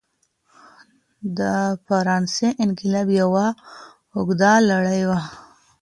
د فرانسې انقلاب یوه اوږده لړۍ وه.